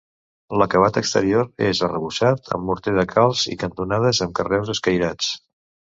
L'acabat exterior és arrebossat amb morter de calç i cantonades amb carreus escairats.